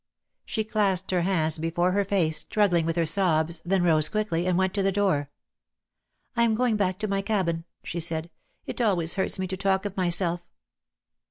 She clasped her hands before her face, struggling with her sobs, then rose quickly, and went to the door. "I am going back to my cabin," she said; "it always hurts me to talk of myself."